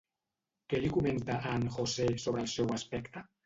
Què li comenta a en José sobre el seu aspecte?